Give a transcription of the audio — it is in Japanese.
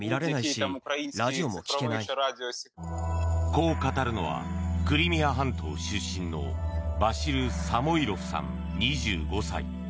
こう語るのはクリミア半島出身のバシル・サモイロフさん２５歳。